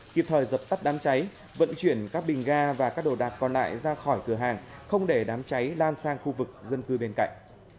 kịp thời dập tắt đám cháy vận chuyển các bình ga và các đồ đạc còn lại ra khỏi cửa hàng không để đám cháy lan sang khu vực dân cư bên cạnh